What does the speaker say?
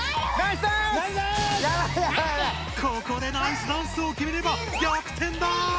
ここでナイスダンスをきめれば逆転だ！